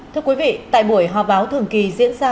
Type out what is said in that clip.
thưa quý vị tại buổi họp báo thường kỳ diễn ra